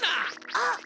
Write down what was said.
あっ？